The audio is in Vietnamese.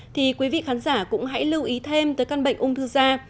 thì quý vị khán giả cũng hãy lưu ý thêm tới căn bệnh ung thư da